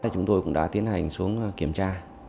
chúng tôi cũng đã tiến hành xuống kiểm tra